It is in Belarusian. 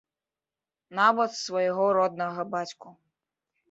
Нават свайго роднага бацьку.